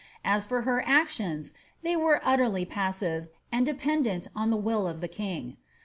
As for her actions, they were utterly passive, and dependent on ihe will of the king.